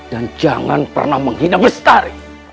dan jangan pernah menghina bestari